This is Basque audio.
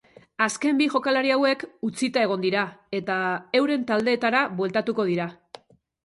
Azken bi jokalari hauek utzita egon dira, eta euren taldeetara bueltatuko dira.